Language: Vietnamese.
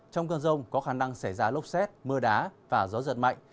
trong cơn rông có khả năng xảy ra lốc xét mưa đá và gió giật mạnh